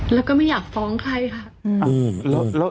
แล้วก็ไม่อยากฟ้องใครค่ะ